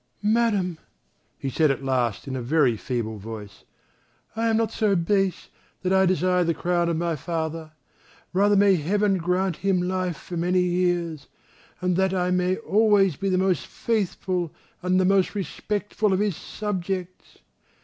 "Madam," he said at last, in a very feeble voice, "I am not so base that I desire the crown of my father, rather may Heaven grant him life for many years, and that I may always be the most faithful and the most respectful of his subjects!